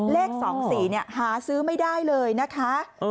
เลข๒๔หาซื้อไม่ได้เลยนะคะ